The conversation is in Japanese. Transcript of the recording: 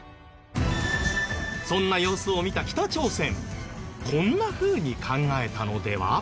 そんな様子を見た北朝鮮こんなふうに考えたのでは？